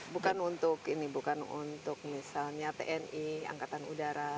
bukan untuk ini bukan untuk misalnya tni angkatan udara